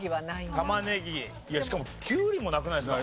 たまねぎしかもきゅうりもなくないですか？